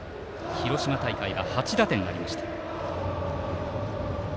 広島大会は８打点ありました。